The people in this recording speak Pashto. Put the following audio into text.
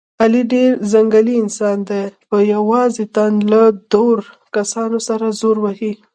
علي ډېر ځنګلي انسان دی، په یوازې تن له دور کسانو سره زور وهي.